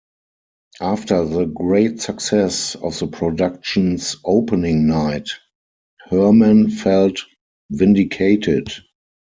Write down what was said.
After the great success of the production's opening night, Herman felt vindicated.